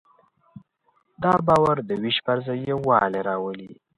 دا باور د وېش پر ځای یووالی راولي.